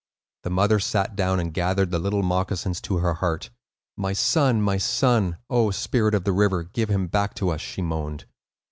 The mother sat down and gathered the little moccasins to her heart. "My son, my son! O spirit of the river, give him back to us!" she moaned.